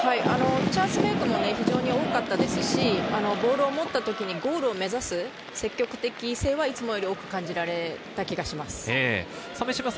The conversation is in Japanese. チャンスメークも多かったですし、ボールを持った時にゴールを目指す積極性はいつもより多く感じられた気がします。